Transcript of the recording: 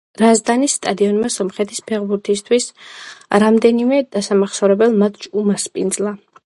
რაზდანის სტადიონმა სომხეთის ფეხბურთისთვის რამდენიმე დასამახსოვრებელ მატჩს უმასპინძლა.